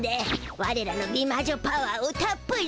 われらの美魔女パワーをたっぷりと。